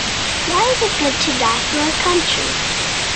Why is it good to die for our country?